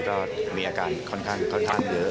ก็มีอาการค่อนข้างเยอะ